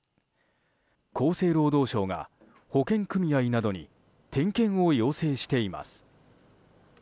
厚生労働省が保険組合などに点検を要請しています。